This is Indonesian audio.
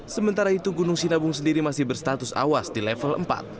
sementara itu gunung sinabung sendiri masih berstatus awas di level empat